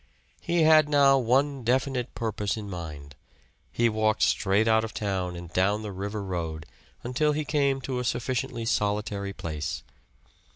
He had now one definite purpose in mind. He walked straight out of town and down the river road until he came to a sufficiently solitary place.